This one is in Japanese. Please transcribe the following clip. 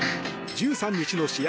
１３日の試合